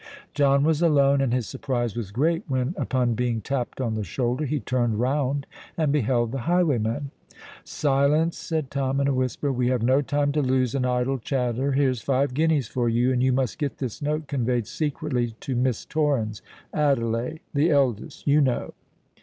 John was alone; and his surprise was great, when, upon being tapped on the shoulder, he turned round and beheld the highwayman. "Silence!" said Tom in a whisper; "we have no time to lose in idle chatter. Here's five guineas for you; and you must get this note conveyed secretly to Miss Torrens—Adelais, the eldest—you know."